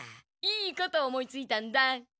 いいこと思いついたんだ！